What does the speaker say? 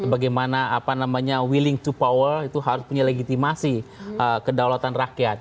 bagaimana apa namanya willing to power itu harus punya legitimasi kedaulatan rakyat